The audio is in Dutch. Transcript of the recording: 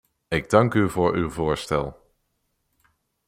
Ik dank u voor uw voorstel.